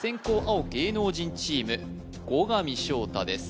青芸能人チーム後上翔太です